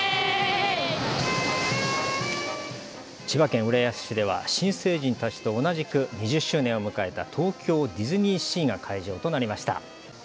千葉県浦安市では新成人たちと同じく２０周年を迎えた東京ディズニーシーが会場となりました。